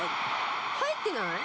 入ってない？